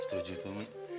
setuju tuh umi